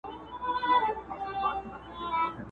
مسجد چي هر رنگه خراب سي، محراب ئې پر ځاى وي.